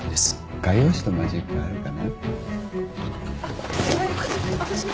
画用紙とマジックあるかな？